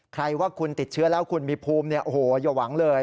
ใครว่าคุณติดเชื้อแล้วคุณมีภูมิอยอหวังเลย